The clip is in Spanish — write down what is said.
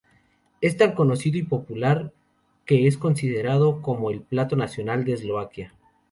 Es tan conocido y popular que es considerado como el plato nacional de Eslovaquia.